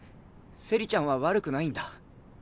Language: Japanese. セリちゃんは悪くないんだ。